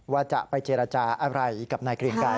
ว่าจะไปเจรจาอะไรกับนายเกรียงไกร